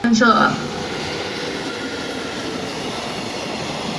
郭泉在香港曾任保良局及东华医院总理。